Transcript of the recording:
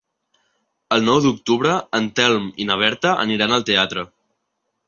El nou d'octubre en Telm i na Berta aniran al teatre.